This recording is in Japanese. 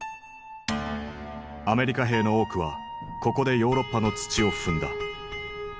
アメリカ兵の多くはここでヨーロッパの土を踏んだ。